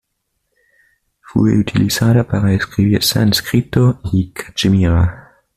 Fue utilizado para escribir sánscrito y Cachemira.